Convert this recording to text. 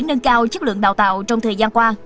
nâng cao chất lượng đào tạo trong thời gian qua